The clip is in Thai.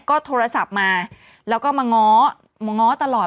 ก็โทรศัพท์มาแล้วก็มาง้อมาง้อตลอด